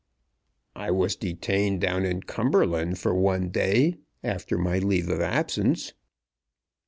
"I was detained down in Cumberland for one day, after my leave of absence."